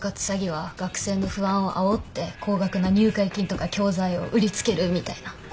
詐欺は学生の不安をあおって高額な入会金とか教材を売り付けるみたいな。